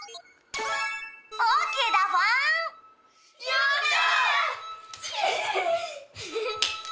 やった！